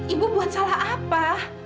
ibu buat salah apa